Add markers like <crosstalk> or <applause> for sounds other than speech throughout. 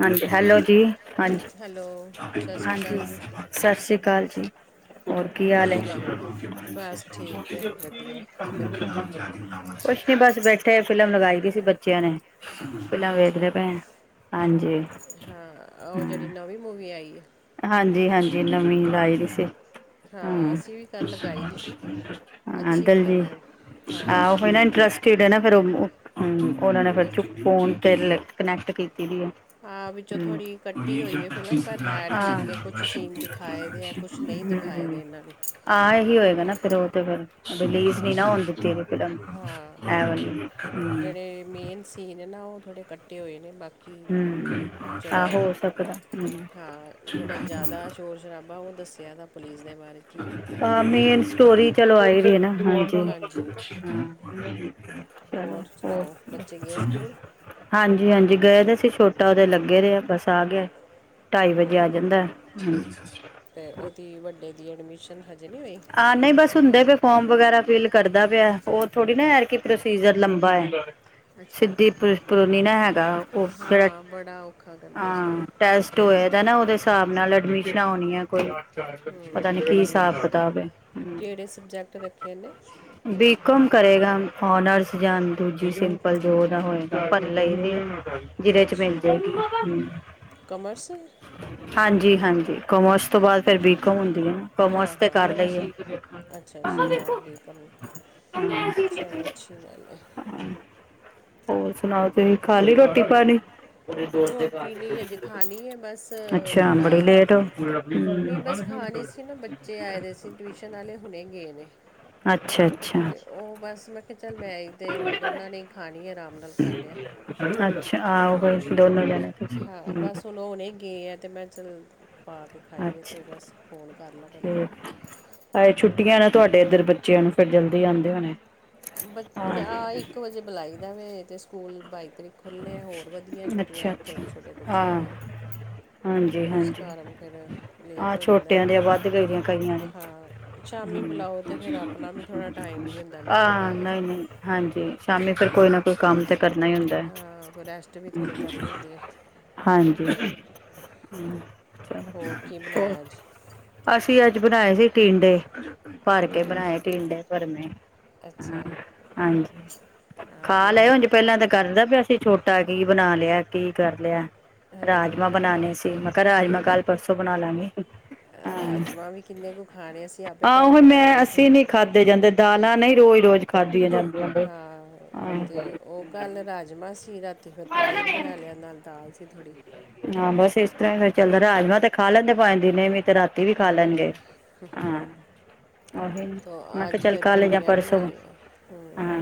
ਹਾਂਜੀ ਹੈਲੋ ਜੀ ਹਾਂਜੀ ਹੈਲੋ ਸਤਿ ਸ਼੍ਰੀ ਹਾਂਜੀ ਅਕਾਲ ਜੀ ਸਤਿ ਸ਼੍ਰੀ ਅਕਾਲ ਜੀ ਰ ਕੀ ਹੋਰ ਹਾਲ ਸੁਣਾਓ ਬਸ ਠੀਕ ਹੈ ਵਧੀਆ ਕੀ ਕਰਦੇ ਪਏ ਕੁਛ ਨੀ ਬਸ ਬੈਠੇ ਫਿਲਮ ਲਗਾਈ ਦੀ ਸੀ ਬੱਚਿਆਂ ਨੇ ਫਿਲਮ ਅੱਛਾ ਵੇਚਦੇ ਪੈਣੇ ਹਾਂ ਉਹ ਹਾਂ ਜਿਹੜੀ ਨਵੀਂ ਮੂਵੀ ਆਈ ਆ ਹਾਂਜੀ ਹਾਂਜੀ ਨਵੀਂ ਲਾਈ ਦੀ ਸੀ ਹਾਂ ਅਸੀਂ ਵੀ ਕੱਲ ਲਗਾਈ ਦੀ ਸੀ ਹਾਂ ਅੱਛੀ ਦਲ ਫਿਲਮ ਜੀ ਹੈ ਆਹ ਹਾਂ ਉਹ ਨਾ ਇੰਟਰਸਟਡ ਨਾ ਫੇਰਮ ਉਹਨਾ ਨੇ ਫਿਰ ਚੁਪ ਅਸ- ਫੋਨ ਤੇ ਕਨੈਕਟ ਕੀਤਾ ਆਹ ਵਿੱਚੋਂ ਥੋੜ੍ਹੀ ਕੱਟੀ ਹੋਈ ਹੈ ਫਿਲਮ ਪਰ ਹੈ ਠੀਕ ਹੈ ਕੁਛ ਸੀਨ ਦਿਖਾਏ ਦੇ ਆ ਕੁਛ ਨਹੀਂ ਦਿਖਾਏ ਦੇ ਇਹਨਾਂ ਨੇ ਆਹ ਇਹੀ ਹੋਏਗਾ ਨਾ ਫਿਰ ਉਹ ਤੇ ਫਿਰ ਰਿਲੀਜ਼ ਨਹੀਂ ਨਾ ਹੋਣ ਦਿੱਤੀ ਇਹ ਫਿਲਮ ਹਾਂ ਹੈ ਵਾਲੀ ਜਿਹੜੇ ਮੇਨ ਸੀਨ ਨੇ ਨਾ ਉਹ ਥੋੜੇ ਕੱਟੇ ਹੋਏ ਨੇ ਬਾਕੀ ਹਮ ਆ ਹੋ ਜਿਹੜਾ ਸਕਦਾ ਹ ਹਾਂ ਜਿਹੜਾ ਜ਼ਿਆਦਾ ਸ਼ੋਰ ਸ਼ਰਾਬਾ ਉਹ ਦੱਸਿਆ ਤਾਂ ਪੁਲਿਸ ਦੇ ਬਾਰੇ ਕੀ ਕੀਤਾ ਵਾ ਹ ਇਹਨਾਂ ਨੇ ਮੇਨ ਸਟੋਰੀ ਚਲੋ ਆਏੜ ਨਾ ਹ ਜ ਹਾਂਜੀ ਚਲੋ, ਹੋਰ ਸੁਣਾਓ ਬੱਚੇ ਗਏ ਸਕੂਲ ਹਾਂਜੀ -ਹਾਂਜੀ, ਗਏ ਤਾਂ ਸੀ ਛੋਟਾ ਉਹਦੇ ਲੱਗੇ ਰਹੇ ਆ ਬਸ ਆ ਗਿਆ, ਢਾਈ ਵਜੇ ਆ ਹੂੰ ਜਾਂਦਾ। ਤੇ, ਉਹਦੀ ਵੱਡੇ ਦੀ, ਐਡਮਿਸ਼ਨ ਹਜੇ ਨਹੀਂ ਹੋਈ? ਆ, ਨਹੀਂ ਬਸ ਹੁੰਦੇ ਪਏ ਫੋਰਮ ਵਗੈਰਾ ਫਿਲ ਕਰਦਾ ਪਿਆ ਉਹ ਥੋੜੀ ਨਾ ਐਤਕੀਂ ਕੀ ਪ੍ਰੋਸੀਜਰ ਲੰਬਾ ਹੈ। ਅੱਛਾ ਸਿੱਧੀ <unintelligible> ਨਾ ਹੈਗਾ, ਉਹ ਕਿਹੜਾ ਹਾਂ ਬੜਾ ਔਖਾ ਕਰਦੇ ਇਸ ਵਾਰ ਅਹ ਟੈਸ ਹੋਇਆ ਦਾ ਨਾ, ਉਹਦੇ ਹਿਸਾਬ ਨਾਲ ਅਡਮਿਸ਼ਨਾ ਹੋਣਾ, ਕੋਈ, ਪਤਾ ਹੂੰ ਨੀ ਕੀ ਹਿਸਾਬ ਕਿਤਾਬ ਹੈ ਕਿਹੜੇ ਸਬਜੈਕਟ ਰੱਖੇ ਨੇ? ਬੀ -ਕੌਮ ਕਰੇਗਾ ਔਨਰਸ, ਜਾਂ ਦੂਜੀ ਸਿੰਪਲ ਜੋ ਇਹਦਾ ਹੋਏ ਪਤਾ ਹੀ ਨਹੀਂ, ਜਿਹਦੇ ਚ ਅੱਛਾ ਮਿਲ ਜਾਏਗੀ, ਹਮਮ ਕਮਰਸ ਅੱਛਾ ਜੀ। ਹਾਂਜੀ -ਹਾਂਜੀ, ਕੋਮਰਸ ਤੋਂ ਬਾਅਦ ਫੇਰ ਬੀ ਕਾਮ ਹੁੰਦੀ ਹੈ ਨਾ ਕੋਮਰਸ ਹਾਂ ਹਾਂ ਤੇ ਹਾਂ। ਕਰਦਾ ਹੀ ਹੈ। ਅੱਛਾ ਅੱਛਾ ਆ ਬੀਕਾਮ ਚਲੋ ਅੱਛੀ ਗੱਲ ਹੈ <inaudible> ਹੋਰ ਸੁਣਾਉ? ਤੁਸੀਂ ਖਾ ਲਈ ਰੋਟੀ -ਪਾਣੀ? ਰੋਟੀ, ਨੀ ਹਜੇ ਖਾਣੀ ਹੈ ਬਸ, ਥੋੜਾ, ਲੇਟ ਹੋ ਗਏ। ਨਹੀਂ ਬਸ ਖਾਣੀ ਸੀ ਨਾ, ਬੱਚੇ ਆਏ ਦੇ ਸੀ ਟਿਊਸ਼ਨ ਵਾਲੇ ਹੁਣੇ ਗਏ ਨੇ ਅੱਛਾ -ਅੱਛਾ ਤੇ ਉਹ ਬਸ ਮੈਂ ਕਿਹਾ, ਚੱਲ ਮੈਂ ਈ ਤੇ ਇਹ ਦੋਨਾਂ ਨੇ ਹੀ ਖਾਣੀ ਹੈ, ਆਰਾਮ ਨਾਲ ਖਾਂਦੇ ਹਾਂ। ਅੱਛਾ, ਆਹੋ ਦੋਨੋ ਜਣੇ ਹਾਂ, ਬਸ ਹੁਣ ਉਹ ਹੁਣੇ ਗਏ ਆ, ਤੇ ਮੈਂ ਕਿਹਾ ਚੱਲ ਪਾ ਕੇ ਖਾਈਏ, ਤੇ ਅੱਛਾ ਬਸ ਫੋਨ ਕਰ ਲਾਂ ਪਹਿਲੇ ਅ, ਛੁੱਟੀਆਂ ਨਾ ਤੁਹਾਡੇ ਇੱਧਰ ਬੱਚਿਆਂ ਨੂੰ, ਫਿਰ ਜਲਦੀ ਆਉਂਦੇ ਹੋਣੇ ਬ, ਆਹ ਇੱਕ ਵਜੇ ਬੁਲਾਈ ਦਾ ਵੇ, ਤੇ ਸਕੂਲ ਬਾਈ ਤਰੀਕ ਖੁੱਲੇਣੇ ਹੈ, ਹੋਰ ਵਧੀਆ ਅੱਛਾ ਛੁੱਟੀਆਂ ਅੱਛਾ ਛੋਟੇ ਬੱਚਿਆਂ ਆਹ ਦੀਆਂ ਤੇ, ਹਾਂਜੀ ਉਸ ਹਾਂਜੀ ਕਾਰਨ ਫਿਰ ਲੇਟ ਆਹ ਹੋ ਜਾਂਦਾ ਛੋਟਿਆਂ ਦੀਆਂ ਵੱਧ ਗਈ ਦੀਆਂ ਕਈਆਂ ਦੀ ਹਾਂ ਸ਼ਾਮੀ ਹਮ ਬੁਲਾਉ, ਤੇ ਫਿਰ ਆਪਣਾ ਵੀ ਥੋੜਾ ਟਾਈਮ ਨਹੀਂ ਹੁੰਦਾ ਨ ਹਾਂ, ਨਹੀਂ- ਨਹੀਂ ਹਾਂਜੀ ਸ਼ਾਮੀ ਫਿਰ ਕੋਈ ਨਾ ਕੋਈ ਕੰਮ ਤਾਂ ਕਰਨਾ ਹੀ ਹੁੰਦਾ। ਹ, ਰੈਸਟ ਵੀ ਥੋੜ੍ਹੀ ਕਰਨੀ ਹੁੰਦੀ ਹੈ। ਹਾਂਜੀ, ਹੂੰ, ਹੋਰ ਕੀ ਚਲੋ ਬਣਾਇਆ ਅੱਜ ਅਸੀਂ ਅੱਜ ਬਣਾਏ ਸੀ, ਟਿੰਡੇ ਭਰ ਕੇ ਕੀ ਬਣਾਏ ਟਿੰਂਡੇ ਭਰਵੇਂ ਅੱਛਾ ਹਾਂਜੀ, ਹਾਂ ਉਹ ਖਾ ਵੀ ਲਏ ਉੰਝ ਪਹਿਲਾਂ ਤਾਂ, ਕਰਦਾ ਪਿਆ ਸੀ ਛੋਟਾ, ਕੀ ਬਣਾ ਲਿਆ ਕੀ ਕਰ ਲਿਆ ਹਾਂ ਰਾਜਮਾਂ ਬਣਾਣੇ ਸੀ, ਮੈਂ ਕਿਹਾ, ਰਾਜਮਾਂ ਕੱਲ ਪਰਸੋਂ ਬਣਾ ਲਾਂਗਰੀ। ਰਾਜਮਾਂ ਵੀ ਕਿੰਨੇ ਕੁ ਖਾਣੇ, ਅਸੀਂ ਆਪੇ ਕੱਲ ਆਹੋ ਬਣਾਏ ਮੈਂ ਦੇ ਸੀ। ਅਸੀਂ ਨੀ ਖਾਧੇ ਜਾਂਦੇ, ਦਾਲਾਂ ਨਹੀਂ ਰੋਜ਼ ਰੋਜ਼ ਖਾਧੀਆਂ ਜਾਂਦੀਆਂ। ਬਈ। ਹਾਂ, ਤੇ ਹਾਂ ਉਹ ਕੱਲ੍ਹ ਰਾਜਮਾਂ ਸੀ, ਰਾਤੀ ਫਿਰ ਪਨੀਰ ਬਣਾ ਲਿਆ ਨਾਲ ਦਾਲ ਸੀ। ਤੇ ਥੋੜੀ ਹਾਂ, ਬਸ ਇਸ ਤਰ੍ਹਾਂ ਹੀ ਤੇ ਚੱਲਦਾ ਰਾਜਮਾਂ ਤੇ ਖਾ ਲੈਂਦੇ, ਭਾਵੇਂ ਦਿਨੇ ਵੀ ਤੇ ਰਾ ਤੀ, ਵੀ ਖਾ ਲੈਣਗੇ, ਹਾਂ ਉਹੀ, ਤੋ ਮੈਂ ਕਿਹਾ ਅੱਜ ਚਲ ਫਿਰ ਕੱਲ ਜਾਂ ਭਿੰਡੀਆਂ ਪਰਸੋਂ, ਬਣਾ ਲਈਆਂ ਹੂੰ ਹਾਂ।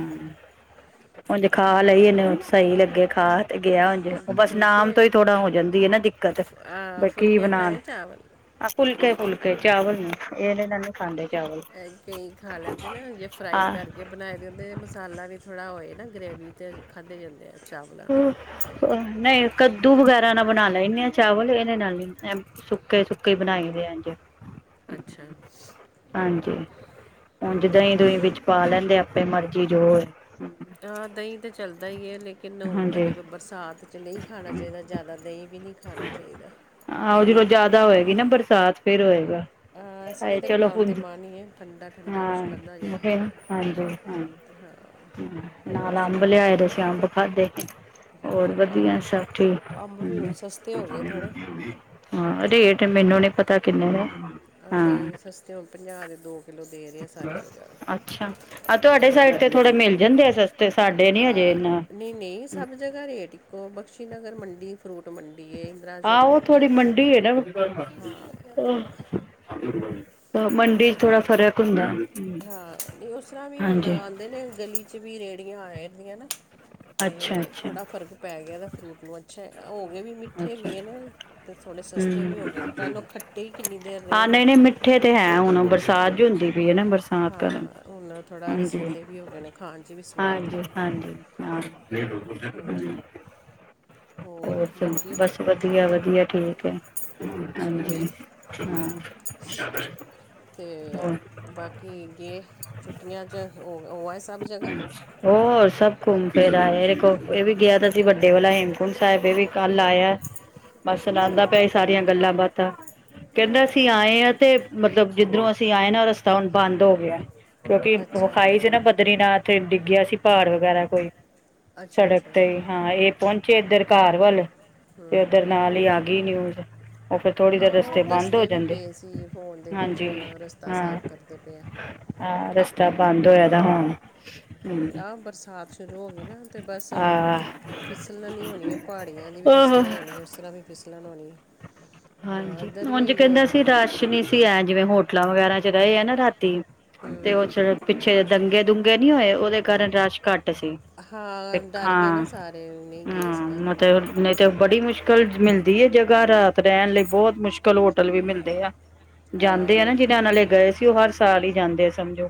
ਉੰਝ ਖਾ ਲਈ, ਇਹਨੂੰ ਸਹੀ ਲੱਗੇ ਖਾ ਤੇ ਗਿਆ ਉੰਝ ਬਸ ਨਾਮ ਫੁਲਕੇ ਤੋਂ ਹੀ ਥੋੜਾ ਹੋ ਜਾਂਦੀ ਆ ਨਾ ਦਿੱਕਤ, ਆ ਬਈ ਕੀ ਫੁਲਕੇ ਬਣਾਉਣ ਬਣਾਏ ਚਾਵਲ ਹਾਂ, ਫੁਲਕੇ -ਫੁਲਕੇ, ਚਾਵਲ ਨਹੀਂ, ਇਹ ਨਹੀਂ ਨਾ ਖਾਂਦੇ ਚਾਵਲ,। ਕਈ ਖਾ ਲੈਂਦੇ ਨ, ਜੇ ਫਰਾਈ ਹਾਂ ਕਰਕੇ ਬਣਾਏ ਕਹਿੰਦੇ ਮਸਾਲਾ ਵੀ ਥੋੜਾ ਹੋਏ ਨਾ, ਗ੍ਰੇਵੀ ਚ, ਖਾਧੇ ਜਾਂਦੇ ਆ ਚਾਵਲਾਂ ਨਾਲ। ਨਹੀਂ, ਕੱਦੂ ਵਗੈਰਾ ਨਾਲ ਬਣਾ ਲੈਨੇ ਆ ਚਾਵਲ, ਇਹਦੇ ਨਾਲ ਨਹੀਂ ਸੁੱਕੇ- ਸੁੱਕੇ, ਬਣਾਈ ਦੇ ਐ ਇੰਝ ਅੱਛਾ ਹਾਂਜੀ ਹੁਣ ਜਿੱਦਾਂ ਹੂੰ ਹੀ ਦੂਈ ਵਿੱਚ ਪਾ ਲੈਂਦੇ ਆਪਣੇ ਮਰਜ਼ੀ ਜੋ ਹਾਂ, ਦਹੀਂ ਤਾਂ ਚੱਲਦਾ ਹੀ ਏ ਲੇ, ਕਿ ਨੌਣ ਕੋਈ ਹਾਂਜੀ ਬਰਸਾਤ 'ਚ ਨਹੀਂ ਖਾਣਾ ਚਾਹੀਦਾ ਜ਼ਿਆਦਾ ਦਹੀਂ ਵੀ ਨਹੀਂ ਖਾਣਾ ਚਾਹੀਦਾ। ਆਹੋ ਜਦੋਂ ਜਿਆਦਾ ਹੋਏਗੀ ਨਾ ਬਰਸਾਤ ਫੇਰ ਹੋਏਗਾ। ਇਸ ਵੇਲੇ ਹਾਏ ਤਾਂ ਚਲੋ ਖਾਣ ਹੁਣ ਤੇ ਮਨ ਨਹੀਂ ਹੈ, ਠੰਡਾ-ਠੰਡਾ, ਕੁਛ ਹਾਂ ਖਾਧਾ ਜਾਏ। ਹਾਂਜੀ ਹਾਂਜੀ ਹਾਂ ਹੋਰ ਨਾਲ ਅੰਬ ਸੁਣਾਓ ਲਿਆਏ ਦੇ ਸੀਂ ਅੰਬ ਖਾਧੇ ਹੋਰ ਹੂੰ ਵਧੀਆ ਅੰਬ ਸਭ ਠੀਕ ਅੰਬ ਵੀ ਹੁਣ ਹ ਸਸਤੇ ਹੋ ਗਏ ਥੋੜ੍ਹੇ ਹਾਂ ਰੇਟ ਮੈਨੂੰ ਨੀ ਪਤਾ ਕਿੰਨੇ ਨੇ ਆਹ ਹਾਂ ਨਹੀਂ ਸਸਤੇ ਹੁਣ ਪੰਜਾਹ ਦੇ ਦੋ ਚਲੋ ਦੇ ਰਹੇ ਹ ਸਾਰੀ ਜਗ੍ਹਾ ਅੱਛਾ ਆਹ ਤੁਹਾਡੇ ਸਾਈਡ ਤੇ ਥੋੜੇ ਮਿਲ ਜਾਂਦੇ ਆ ਸਸਤੇ ਸਾਡੇ ਨੀ ਹਜੇ ਹਾਂ ਇਨਾ <unintelligible> ਨਹੀਂ ਨਹੀਂ, ਸਭ ਜਗ੍ਹਾ ਰੇਟ ਇੱਕੋ ਬਖਸ਼ੀ ਨਗਰ ਮੰਡੀ ਫਰੂਟ ਮੰਡੀ ਐ, ਇੰਦਰਾਯੋਗ ਆਹੋ ਮੰਡੀ ਐ। <unintelligible> ਮੰਡੀ ਚ ਥੋੜਾ ਫ਼ਰਕ ਹੁੰਦਾ। ਹਾਂ, ਨਹੀਂ ਉਸ ਤਰ੍ਹਾਂ ਵੀ ਹੁਣ ਹਾਂਜੀ ਆਉਂਦੇ ਨੇ ਗਲੀ ਚ ਵੀ ਰੇਹੜੀਆਂ ਆ ਜਾਂਦੀਆਂ ਨਾ। ਅੱਛਾ ਅੱਛਾ ਥੋੜ੍ਹਾ ਫਰਕ ਪੈ ਗਿਆ ਇਹਦਾ ਫਰੂਟ ਨੂੰ ਅੱਛਾ ਹੋ ਗਏ ਵੀ ਮਿ, ਮਿੱਠੇ ਹੋ ਅੱਛਾ ਗਏ ਹੂੰ। ਨੇ ਤੇ ਥੋੜੇ ਸਸਤੇ ਵੀ ਹੋ ਗਏ ਨੇ ਪਹਿਲ ਖੱਟੇ ਈ ਕਿੰਨੀ ਦੇਰ ਰਹੇ ਨੇ। ਖੱਟੇ ਤੇ ਹੈ ਹੁਣ ਬਰਸਾਤ ਜੋ ਹੁੰਦੀ। <unintelligible> ਬਰਸਾਤ ਕਰਨ ਹਾਂ ਹੁਣ ਥੋੜਾ ਹਾਂਜੀ ਰਸੀਲੇ ਵੀ ਹੋ ਗਏ ਨੇ ਖਾਣ 'ਚ ਵੀ ਸਵਾਦ ਹਾਂਜੀ ਹੈ। ਹਾਂਜੀ। ਹਾਂ ਨਹੀਂ ਹਾਂਜੀ <unintelligible> ਹੋਰ, ਚਲੋ ਬਾਕੀ ਬਸ ਵਧੀਆ ਵਧੀਆ ਠੀਕ ਐ ਅੱਛਾ ਹਾਂਜੀ। <unintelligible> ਤੇ ਹੋਰ ਬਾਕੀ ਗਏ ਛੁੱਟੀਆਂ ਚ ਓ ਐ ਸਭ ਜਗ੍ਹਾ। ਹੋਰ ਸਭ ਘੁੰਮ ਫਿਰ ਆਏ ਇਹ ਵੀ ਗਿਆ ਤਾਂ ਸੀ ਵੱਡੇ ਵਾਲਾ ਹੇਮਕੁੰਟ ਸਾਹਿਬ ਇਹ ਵੀ। ਕੱਲ ਆਇਆ ਬਸ ਅੱਛਾ ਸੁਣਾਉਦਾ ਪਿਆ ਇਹ ਸਾਰੀਆਂ ਗੱਲਾਂ ਬਾਤਾਂ ਅਸੀਂ ਕਹਿੰਦਾ ਹਾਂ ਅਸੀਂ ਆਏ ਹਾਂ ਤੇ ਮਤਲਬ ਜਿੱਧਰੋਂ ਅਸੀਂ ਆਏ ਨਾ ਰਸਤਾ ਹੁਣ ਬੰਦ ਹੋ ਗਿਆ ਗਿਆ। ਕਿਉਂਕਿ ਤੇ ਅੱਛਾ ਖਾਈ ਸੀ ਨਾ ਬਦਰੀਨਾਥ ਡਿੱਗਿਆ ਸੀ ਪਹਾੜ ਵਗੈਰਾ ਕੋਈ ਕੋਲ ਅੱਛਾ ਅੱਛਾ ਸੜਕ ਤੇ ਹਾਂ ਇਹ ਪਹੁੰਚੇ ਇਧਰ ਘਰ ਵੱਲ ਤੇ ਉਓਧਰ ਨਾਲ ਹੀ ਆ ਗਈ ਨਿਊਜ਼। ਮੰਮੀ ਉਹ ਫਿਰ ਥੋੜ੍ਹੀ ਦੇਰ ਆਹੋ ਰਸਤੇ ਕਹਿੰਦਾ ਬੰਦ ਹੋ ਦੱਸਦੇ ਵੀ ਜਾਂਦੇ ਪਏ ਸੀ ਫੋਨ ਦੇ ਵਿੱਚ ਹਾਂਜੀ ਰਸਤਾ ਹਾਂ। ਸਾਫ਼ ਕਰਦੇ ਪਏ ਆ ਹਾਂ, ਰਸਤਾ ਬੰਦ ਹੋਇਆ ਦਾ। ਹੁਣ ਹੂੰ, ਆਹ ਬਰਸਾਤ ਸ਼ੁਰੂ ਹੋ ਗਈ ਨਾ ਤੇ ਬਸ ਹੁਣ ਆਹ ਫਿਸਲਣ ਹੋਣੀ ਐ ਪਹਾੜੀਆਂ ਦੀ ਵੀ ਆਹ ਫਿਸਲਣ ਹੋਣੀ ਉਸ ਤਰ੍ਹਾਂ ਵੀ ਫਿਸਲਣ ਹੋਣੀ। ਹਾਂ ਹਾਂਜੀ ਇੱਧਰ ਵੀ ਉਂਜ ਕਹਿੰਦਾ ਅ, ਸੀ ਰਸ਼ ਨਹੀਂ ਸੀ ਐ ਜਿਵੇਂ ਹੋਟਲਾਂ ਵਗੈਰਾ ਚ ਰਹੇ ਆ ਨਾ ਰਾਤੀ। ਤੇ ਹਮ ਉਹ ਚ ਪਿੱਛੇ ਦੰਗੇ ਦੁੰਗੇ ਨੀ ਹੋਏ ਉਹਦੇ ਕਾਰਨ ਰਸ਼ ਘੱਟ ਸੀ। ਹਾਂ ਡਰ ਗਏ ਨਾ ਹਾਂ ਸਾਰੇ ਨਹੀਂ ਗਏ ਇਸ ਹਾਂ, ਕਰ ਮਤਲਬ ਨਹੀਂ ਤੇ ਬੜੀ ਮੁਸ਼ਕਿਲ ਨਲ ਮਿਲਦੀ ਐ ਜਗ੍ਹਾ ਰਹਿਣ ਲਈ ਬਹੁਤ ਮੁਸ਼ਕਿਲ ਹੋਟਲ ਵੀ ਮਿਲਦੇ ਆ ਹਾਂ ਜਾਂਦੇ ਆ ਨਾ ਉਹ- ਜਿਹਨਾਂ ਨਾਲੇ ਗਏ ਸੀ ਉਹ ਹਰ ਸਾਲ ਹੀ ਜਾਂਦੇ ਆ ਸਮਝੋ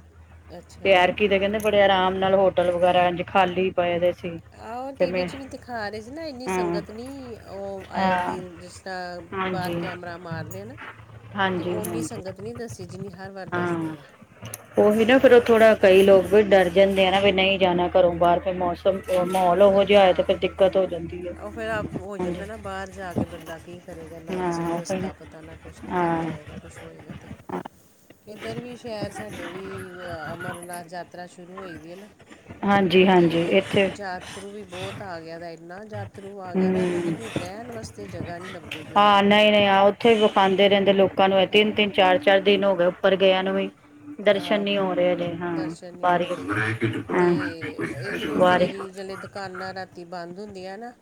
ਤੇ ਅੱਛਾ ਐਤਕੀ ਦੇ ਕਹਿੰਦੇ ਬੜੇ ਆਰਾਮ ਨਾਲ ਹੋਟਲ ਵਗੈਰਾ। ਖਾਲੀ ਪਏ ਦੇ। ਸੀ ਆਹ ਤੇ ਟੀ ਵੀ ਮੈਂ ' ਵੀ ਦਿਖਾ ਰਹੇ ਸੀ ਨਾ ਇੰਨੀ ਹਾਂ ਸੰਗਤ ਨਹੀਂ ਉਹ ਆਏ ਹਾਂ ਦੀ ਜਿਸ ਤਰ੍ਹਾਂ ਬਾਹਰ ਹਾਂਜੀ ਕੈਮਰਾ ਮਾਰਦੇ ਨੇ ਤੇ ਹਾਂਜੀ ਉਹ ਉਨੀ ਹਾਂਜੀ ਸੰਗਤ ਨਹੀਂ ਦੱਸੀ ਜਿੰਨੀ ਹਰ ਵਾਰ ਦੱਸਦੇ ਹਾਂ ਆ। ਉਹੀ ਨਾ ਫੇਰ ਉਹ ਥੋੜ੍ਹਾ ਕਈ ਲੋਕ ਵੀ ਡਰ ਜਾਂਦੇ ਆ ਨਾ ਵੀ ਨਹੀਂ ਜਾਣਾ ਘਰੋਂ ਬਾਹਰ ਫ ਮੌਸਮ। ਮਾਹੌਲ ਉਹੋ ਜਿਹਾ ਹੋਏ ਤੇ ਹਾਂ ਫਰ ਦਿੱਕਤ ਹੋ ਜਾਂਦੀ ਆ ਉਹ ਫਿਰ ਆਪ ਹੋ ਹਾਂਜੀ। ਜਾਂਦਾ ਨਾ ਬਾਹਰ ਜਾ ਕੇ। ਕਿ ਬੰਦਾ ਕੀ ਕਰੇਗਾ ਨਾ ਕਿਸੇਾਨ ਨੂੰ ਹਾਂ ਉਹੀ ਰਸਤਾ ਪਤਾ ਨਾ ਕੁਛ ਕਿੱਥੇ ਵੀ ਹਾਂ ਜਾਏਗਾ ਕੁਛ ਹੋਏਗਾ ਤੇ। ਇੱਧਰ ਵੀ ਸ਼ਹਿਰ ਸਾਡੇ ਵੀ ਅਮਰਨਾਥ ਯਾਤਰਾ ਸ਼ੁਰੂ ਹੋ ਦੀ ਐ ਨਾ। ਹਾਂਜੀ ਹਾਂਜੀ ਤੇ ਇੱਥੇ ਜਤਰੂ ਵੀ ਬਹੁਤ ਆ ਗਿਆ। ਨਾ ਯਾਤਰੂ ਆ ਗਿਆ ਤਾਂ ਮੈਂ ਹੂੰ ਕਹਿੰਦੀ ਰਹਿਣ ਵਾਸਤੇ ਜਗ੍ਹਾ ਨਹੀਂ ਲੱਭਦੀ ਪਈ ਉਹਨਾਂ ਹਾਂ ਨੂੰ। ਨਹੀਂ ਨਹੀਂ ਆ ਉੱਥੇ ਵਿਖਾਉਂਦੇ ਰਹਿੰਦੇ ਲੋਕਾਂ ਨੂੰ ਤਿੰਨ ਤਿੰਨ ਚਾਰ ਚਾਰ ਦਿਨ ਹੋ ਗਏ ਉੱਪਰ ਗਿਆ ਨੂੰ ਵੀ। ਦਰਸ਼ਨ ਅ, ਨੀ ਹੋ ਰਹੇ ਹਲੇ ਹਾ ਦਰਸ਼ਨ ਨਹੀਂ ਹੋ ਬਾਰਿਸ਼ ਰਹੇ ਹਾ ਤੇ ਇੱਕ ਦੂਸਰੇ ਬਾਰਿਸ਼ ਦੀ ਜਿਹੜੇ ਦੁਕਾਨਾਂ ਰਾਤੀ ਬੰਦ ਹੁੰਦੀਆਂ ਨਾ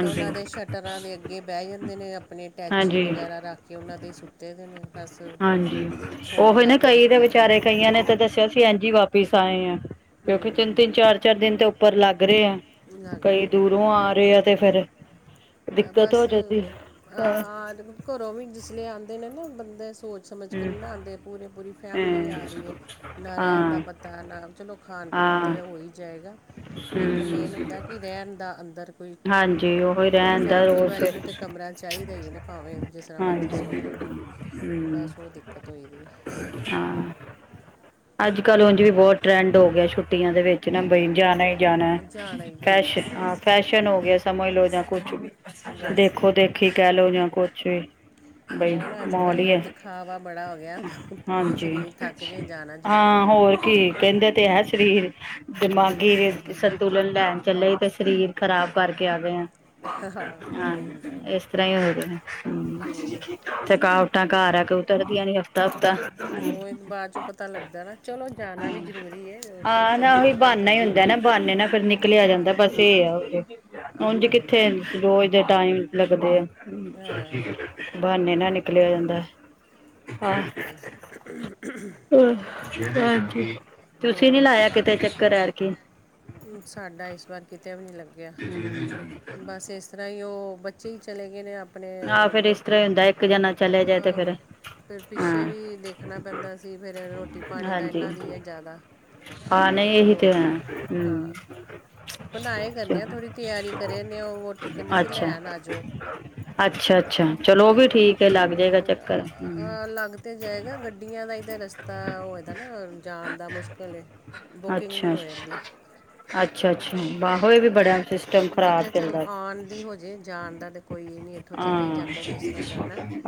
ਤੇ ਉਹਨਾਂ ਦੇ ਸ਼ਟਰਾਂ ਦੇ ਅੱਗੇ ਬਹਿ ਜਾਂਦੇ ਨੇ ਆਪਨੇ ਟੈਚੀ ਹਾਂਜੀ ਵਗੈਰਾ ਰੱਖ ਕੇ ਉਹਨਾਂ ਤੇ ਸੁ ਦੇ ਦੇ ਨੇ ਬਸ ਹਾਂਜੀ ਸੌਣ ਉਹ ਹੀ ਨਾ ਬਹਿਣ ਨੂੰ ਕਈ ਤੇ ਦਿੱਕਤ ਹੈ ਵਿਚਾਰੇ ਕਈਆਂ ਨੇ ਤਾਂ ਦੱਸਿਆ ਸੀ ਏਂਜ ਹੀ ਵਾਪਿਸ ਆਏ ਆਂ ਕਿਉਂਕਿ ਹੂੰ ਤਿੰਨ ਤਿੰਨ ਚਾਰ ਚਾਰ ਦਿਨ ਤੇ ਉੱਪਰ ਲੱਗ ਰਹੇ ਆ ਲੱਗ ਕਈ ਰਿਹਾ ਦੂਰੋਂ ਆ ਰਹੇ ਆ ਤੇ ਫੇਰ ਦਿੱਕਤ ਹੋ ਬਸ ਜਾਂਦੀ ਤ ਆ ਘਰੋਂ ਵੀ ਜਿਸ ਲੇ ਆਂਦੇ ਨੇ ਨਾ ਬੰਦੇ ਸੋਚ ਸਮਝ ਕੇ ਹੂੰ ਨੀ ਨਾ ਆਦੇ ਪੂਰੀ ਪੂਰੀ ਫੈਮਲੀ ਆ ਹਾਂ ਰਹੀ ਹੈ ਨਾ ਰਹਿਨ ਦਾ ਹਾਂ ਪਤਾ ਨਾ ਚਲੋ ਖਾਨ ਪੀਨ ਹਾਂ ਤਾਂ ਹੋ ਹੀ ਜਾਏਗਾ ਇੱਕ ਮੇਨ ਹੁੰਦਾ ਕਿ ਰਹਿਨ ਦਾ ਅੰਦਰ ਕੋਈ ਹਾਂਜੀ ਉਹੀ ਰਹਿਣ ਦਾ ਫੈਮਲੀ ਰੋਜ਼ ਵਾਲੇ ਨੂੰ ਤੇ ਫਿਰ ਕਮਰਾ ਚਾਹੀਦਾ ਈ ਏਨਾ ਭਾਵੇਂ ਜਿਸ ਤਰ੍ਹਾਂ ਮਰਜ਼ੀ ਸੋ ਹਾਂਜੀ ਜਾਵੇ ਹਮ ਬਸ ਉਹ ਦਿੱਕਤ ਹੋਈ ਦੀ ਏ ਹਾਂ ਅੱਜ ਕੱਲ੍ਹ ਉਂਜ ਵੀ ਬਹੁਤ ਟਰੈਂਡ ਹੋ ਗਿਆ ਛੁੱਟੀਆਂ ਦੇ ਵਿੱਚ ਨਾ ਬਈ ਜਾਨਾ ਹੀ ਜਾਨਾ ਫੈਸ਼ਨ ਹਾਂ ਫੈਸ਼ਨ ਹੋ ਗਿਆ ਸਮਝ ਲਓ ਜਾਂ ਕੁਛ ਵੀ ਬਸ ਦੇਖੋ ਦੇਖੀ ਕਹਿ ਲੋ ਜਾਂ ਲਓ ਕੁਛ ਵੀ ਹਾ ਵੀ। ਬਈ ਉਹ ਨਾ ਅੱਜ ਮਹੋਲ ਈ ਕੱਲ੍ਹ ਏ ਦਿਖਾਵਾ ਬੜਾ ਹੋ ਗਿਆ ਭਾਵੇਂ ਹਾਂਜੀ ਸਰੀਰ ਥੱਕ ਜੇ ਜਾਣਾ ਜ਼ਰੂਰ ਹੈ ਹਾਂ ਹੋਰ ਕੀ ਕਹਿੰਦੇ ਤੇ ਹੈ ਸਰੀਰ ਦਿਮਾਗੀ ਸੰਤੁਲਨ ਲੈਨ ਚੱਲੇ ਤੇ ਸਰੀਰ ਖ਼ਰਾਬ ਕਰਕੇ ਆ ਗਏ ਆ ਹਾਂ ਉਹ ਹੀ ਹੁੰਦਾ ਹੈ ਇਸ ਤਰ੍ਹਾਂ ਹੀ ਹੋਏ ਗ ਹੂੰ ਥਕਾਵਟਾਂ ਘਰ ਆ ਕੋ ਉਤਰ ਦੀਆਂ ਨੀ ਹਫ਼ਤਾ ਹਫ਼ਤਾ ਉਹੀ ਬਾਅਦ ਚੋਂ ਪਤਾ ਲੱਗਦਾ ਨਾ ਚਲੋ ਜਾਨਾ ਵੀ ਜਰੂਰੀ ਏ ੳ ਹਾਂ ਨਾ ਚੰਗੀ ਉਹੀ ਜਗ੍ਹਾ ਹੀ ਬਹਾਨਾ ਜਾਨਾ ਹੁੰਦਾ ਨਾ ਬਹਾਨੇ ਨਾਲ ਫੇਰ ਨਿਕਲਿਆ ਜਾਂਦਾ ਬਸ ਇਹ ਹੈ ਆ ੳਝ ਬਹਾਨੇ ਕਿੱਥੇ ਨਾਲ ਹੀ। ਰੋਜ਼ ਜੇ ਟਾਈਮ ਲੱਗਦੇ ਹਾਂ ਬਹਾਨੇ ਨਾਲ ਨਿਕਲਿਆ ਜਾਂਦਾ ਹਾ ਹੋਰ ਕੀ ਹਾਂਜੀ ਤੁਸੀਂ ਨੀ ਹੋਰ ਲਾਇਆ ਕਿਤੇ ਚੱਕਰ ਐਰਕੀ ਸਾਡਾ ਇਸ ਵਾਰ ਕਿਤੇ ਵੀ ਨਹੀਂ ਲੱਗਿਆ <inaudible> ਬਸ ਇਸ ਤਰ੍ਹਾਂ ਹੀ ਉਹ ਬੱਚੇ ਹੀ ਚਲੇ ਗਏ ਨੇ ਆਪ ਆਹ ਆਪਣੇ ਫੇਰ ਇਸ ਵੋਟੀ ਤਰ੍ਹਾਂ ਹੀ ਹੁੰਦਾ ਇੱਕ ਜਣਾ ਚਲੇ ਜਾਏ ਤੇ ਅ ਫੇਰ ਫੇਰ ਪਿੱਛੇ ਹਾਂ ਵੀ ਦੇਖ ਰਖਨਾ ਪੈਂਦਾ ਸੀ ਫੇਰ ਰੋਟੀ ਪਾਣੀ ਦਾ ਹਾਂਜੀ ਇਹਨਾਂ ਦੀ ਏ ਜ਼ਿਆਦਾ ਹਾਂ ਆਪੇ ਤਾਂ ਨਹੀਂ ਇਹੀ ਚਲੋ ਤੇ ਹੈ ਹਾਂ ਹਮ ਬਨਾਏ ਅੱਛਾ ਕਰਨੇ ਆ ਥੋੜ੍ਹੀ ਤਿਆਰੀ ਰਹੇ ਨੇ ੳਹ ਵੋਟੀ ਕਹਿੰਦੀ ਸੀ ਅੱਛਾ ਲੈਨ ਆ ਜਾਓ ਅੱਛਾ ਅੱਛਾ ਚਲੋ ਉਹ ਤੇ ਵੀ ਠੀਕ ਹੈ ਲੱਗ ਜਾਏਗਾ ਚੱਕਰ ਲੱਗ ਤੇ ਜਾਏਗਾ ਗੱਡੀਆਂ ਦਾ ਈ ਰਸਤਾ ਪਤਾ ਹੋਏ ਦਾ ਨਾ ਜਾਨ ਦਾ ਮੁਸ਼ਕਿਲ ਏ ਬੁਕਿੰਗ ਨਹੀਂ ਹੋ ਅੱਛਾ ਇਨਦੀ ਅੱਛਾ ਅੱਛਾ ਬਾਹੋਏ ਵੀ ਬੜਾ <unintelligible> ਮੈਂ ਕਿਹਾ ਚੱਲ ਚੱਲਦਾ ਆਨ ਦੀ ਹੋਜੇ ਜਾਣ ਦਾ ਤੇ ਕੋਈ ਨੀ ਹਾਂ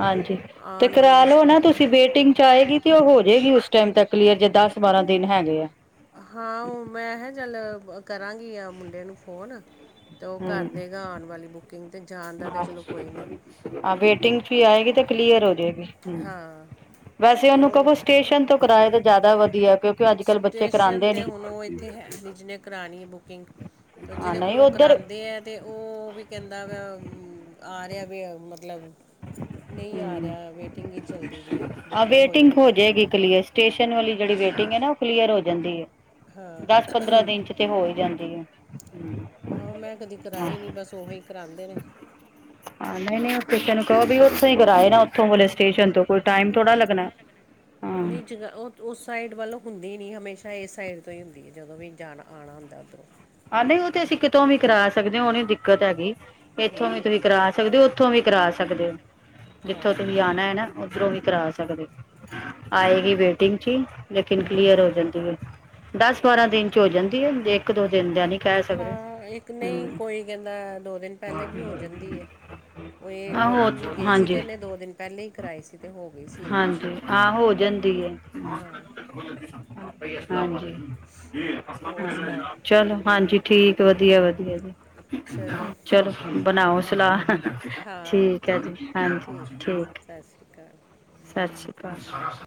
ਹਾਂਜੀ ਤੇ ਆਉਣ ਵਾਲੀ ਕਰਾ ਲਓ ਮੁਸ਼ਕਿਲ ਨਾ ਤੁਸੀਂ ਵੇਟਿੰਗ ਚ ਆਏਗੀ ਤੇ ਉਹ ਹੋ ਜਾਏਗੀ ਉਸ ਟਾਈਮ ਤੱਕ ਕਲੀਅਰ ਜੇ ਦਸ ਬਾਰਾਂ ਦਿਨ ਹੈਗੇ ਆ ਤੇ ਹਾਂ ੳਹ ਮੈਂ ਕਿਹਾ ਚੱਲ ਕਰਾਂਗੀ ਆ ਮੁੰਡੇ ਨੂੰ ਫੋਨ ਤਾਂ ਉਹ ਕਰ ਹੂੰ, ਦੇਗਾ ਆਨ ਵਾਲੀ ਬੁਕਿੰਗ ਤੇ ਜਾਨ ਦਾ ਤੇ ਚਲੋ ਕੋਈ ਨਹੀਂ ਗੱਡੀ ਆਏਗੀ ਤੇ ਕਲੀਅਰ ਹੋ ਜਾਏਗੀ ਹਾਂ ਵੈਸੇ ਤੇ ਉਹਨੂੰ ਉਹ ਕਹੋ ਸਟੇਸ਼ਨ ਤੋਂ ਕਿਰਾਏ ਤੇ ਜ਼ਿਆਦਾ ਵਧੀਆ ਕਿਉਂ ਕ ਸਟੇਸ਼ਨ 'ਤੇ ਹੂੰਨ ੳਹ ਈ ਉੱਥੇ ਹੈ ਨੀ ਜਿਹਨੇ ਕਰਾਨੀ ਏ ਬੁਕਿੰਗ ਤਾਂ ਹਾਂ ਜਿਹਦੇ ਨਹੀਂ ਕੋਲੋਂ ਉੱਧਰ ਕਰਾਂਦੇ ਹੈ ਤੇ ਉਹ ਵੀ ਕਹਿੰਦਾ ਵਾ ਆ ਰਿਹਾ ਵੇ ਮਤਲਬ ਨਹੀਂ ਆ ਹਮ ਰਿਹਾ ਵੇਟਿੰਗ ਈ ਚੱਲਦੀ ਪਈ ਏ ਆ ਬੁਕਿੰਗ ਹੋਈ ਵੇਟਿੰਗ ਨਹੀਂ ਹੋ ਕਰ ਜਾਏਗੀ ਕਲੀਅਰ ਸਟੇਸ਼ਨ ਵਾਲੀ ਜਿਹੜੀ ਵੇਟਿੰਗ ਹੈ ਨਾ ਉਹ ਕਲੀਅਰ ਹੋ ਜਾਂਦੀ ਏ ਦਸ ਹਾਂ ਪੰਦਰਾਂ ਦਿਨ ਚ ਤੇ ਹੋ ਹੀ ਜਾਂਦੀ ਏ ਤੇ ਆਹੋ ਮੈਂ ਕਦੀ ਕਰਵਾਈ ਨੀ ਬਸ ਓਹੀ ਹੀ ਕਰਾਉਂਦੇ ਨੇ ਹਾਂ ਨਹੀਂ ਨਹੀਂ ਕਿਸੇ ਨੂੰ ਕਹੋ ਉਥੇ ਹੀ ਕਰਏ ਨਾ ਉਥੋਂ ਉਹ ਵਾਲ਼ੇ ਸਟੇਸ਼ਨ ਤੋਂ ਕੋਈ ਟਾਈਮ ਥੋੜ੍ਹਾ ਲੱਗਣਾ। ਹਾਂ ਨਹੀਂ ਜਿਹੜਾ ਉਹ ਉਸ ਸਾਈਡ ਵੱਲੌ ਹੁੰਦੀ ਨ ਹਮੇਸ਼ਾ ਇਸ ਸਾਈਡ ਤੋਂ ਹੀ ਹੁੰਦੀ ਹੈ ਜਦੋਂ ਵੀ ਜਾਣਾ ਆਉਣਾ ਹੁੰਦਾ ਉੱਧਰੋਂ। ਹਾਂ ਨਹੀਂ ਉਹ ਤੇ ਅਸੀਂ ਕਿਤੋਂ ਵੀ ਕਰਾ ਸਕਦੇ ਹੋ ਉਹ ਨਹੀਂ ਦਿੱਕਤ ਹੈਗੀ ਇੱਥੋਂ ਹੂੰ ਵੀ ਤੁਸੀਂ ਕਰਾ। ਸਕਦੇ ਉੱਥੋਂ ਵੀ ਕਰਾ ਸਕਦੇ ਹੋ ਹੋ ਜਿੱਥੋਂ ਹਾਂ ਤੁਸੀਂ ਆਨਾ ਹੈ ਨਾ ਉੱਧਰੋਂ ਵੀ ਕਰਾ ਸਕਦੇ ਹੋ ਆਏਗੀ ਵੇਟਿੰਗ ਚ ਈ ਲੇਕਿਨ ਕਲੀਅਰ ਹੋ ਜਾਂਦੀ ਏ ਦਸ ਬਾਰਾਂ ਦਿਨ ਚ ਹੋ ਜਾਂਦੀ ਹੈ ਜੇ ਇੱਕ ਦੋ। ਦਿਨ ਦਾ ਨਹੀਂ ਕਹਿ ਸਕਦੇ। ਹਾਂ ਇੱਕ ਨਹੀਂ ਹੂੰ ਕੋਈ ਕਹਿੰਦਾ ਦੋ ਦਿਨ ਪਹਿਲੇ ਵੀ ਹੋ ਜਾਂਦੀ ਏ। ਇਹ ਆਹੋ ਵੋਟੀ ਵੀ ਗਈ ਸੀ ਤੇ ਹਾਂਜੀ ਇਹਨੇ ਦੋ ਦਿਨ ਪਹਿਲੇ ਹੀ ਕਰਵਾਏ ਸੀ ਤੇ ਹੋ ਗਈ ਸੀ। ਇਹਦੀ ਹਾਂਜੀ ਹਾਂ ਹੋ ਜਾਂਦੀ ਹੈ ਹਾਂ ਹਾਂਜੀ ਹੋਰ ਸੁਣਾਓ ਚਲੋ ਹਾਂਜੀ ਠੀਕ ਵਧੀਆ-ਵਧੀਆ ਜੀ। ਚਲੋ ਬਣਾਓ ਸਲਾਹ। ਠੀਕ ਹੈ ਜੀ ਹਾਂਜੀ ਠੀਕ। ਸਤਿ ਸ਼੍ਰੀ ਅਕਾਲ। ਸਤਿ ਸ਼੍ਰੀ ਅਕਾਲ।